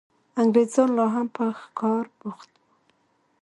انګرېزان لا هم په ښکار بوخت وو.